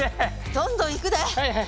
どんどんいくで！